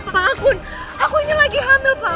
pakun aku ini lagi hamil papa